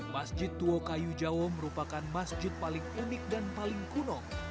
masjid tua kayu jawa merupakan masjid paling unik dan paling kuno